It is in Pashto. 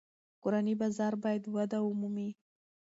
کورني بازار باید وده ومومي.